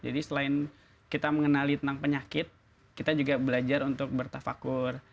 jadi selain kita mengenali tentang penyakit kita juga belajar untuk bertafakur